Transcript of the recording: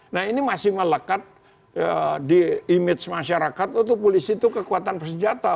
nah ini masih melekat di image masyarakat itu polisi itu kekuatan bersenjata